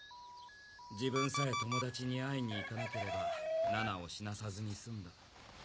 「自分さえ友達に会いに行かなければななを死なさずに済んだ」。